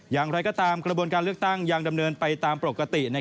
อย่างไรก็ตามกระบวนการเลือกตั้งยังดำเนินไปตามปกติ